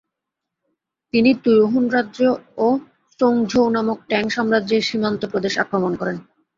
তিনি তুয়ুহুন রাজ্য ও সোংঝৌ নামক ট্যাং সাম্রাজ্যের সীমান্ত প্রদেশ আক্রমণ করেন।